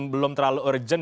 belum terlalu urgent